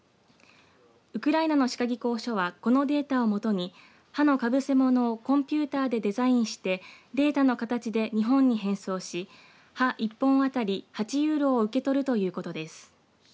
ウクライナの歯科技工所はこのデータをもとに歯のかぶせものをコンピューターでデザインしてデータの形で日本に返送し歯１本当たり８ユーロを受け取るということです。